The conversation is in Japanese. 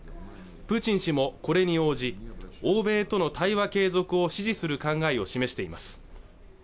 プーチン氏もこれに応じ欧米との対話継続を支持する考えを示しています